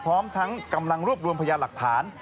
พร้อมทั้งกำลังรวบรวมพยานหลักฐาน